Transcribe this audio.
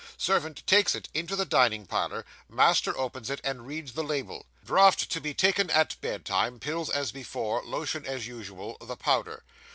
Servant takes it into the dining parlour; master opens it, and reads the label: "Draught to be taken at bedtime pills as before lotion as usual the powder.